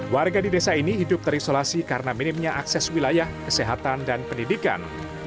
warga di desa ini hidup terisolasi karena minimnya akses wilayah kesehatan dan pendidikan